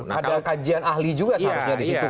ada kajian ahli juga seharusnya di situ